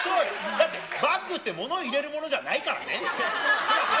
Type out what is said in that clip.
だってバッグって物入れるものじゃないからね。